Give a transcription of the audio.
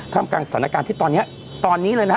ทำกลางสถานการณ์ที่ตอนนี้ตอนนี้เลยนะฮะ